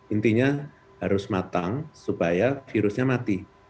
intinya harus matang supaya virusnya mati